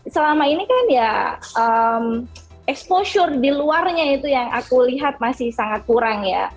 selama ini kan ya exposure di luarnya itu yang aku lihat masih sangat kurang ya